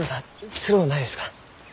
つろうないですか？